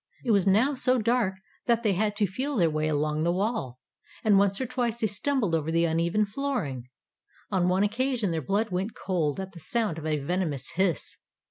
It was now so dark that they had to feel their way along the wall, and once or twice they stumbled over the uneven flooring. On one occasion their blood went cold at the sound of a venomous hiss!